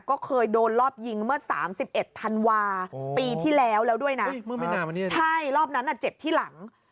ก็เคยโดนรอบยิงเมื่อ๓๑ธันวาปีที่แล้วแล้วด้วยนะใช่รอบนั้นเจ็บที่หลัง